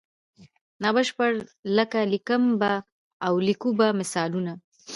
نا بشپړ لکه لیکم به او لیکو به مثالونه دي.